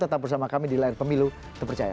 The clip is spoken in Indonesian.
tetap bersama kami di layar pemilu terpercaya